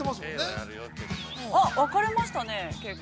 ◆あっ、分かれましたね、結構。